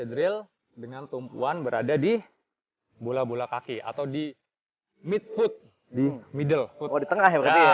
drill dengan tumpuan berada di bola bola kaki atau di midfoot di middle foot di tengah ya